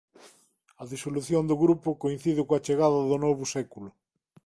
A disolución do grupo coincide coa chegada do novo século.